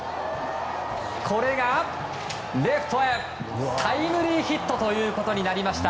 これが、レフトへタイムリーヒットとなりました！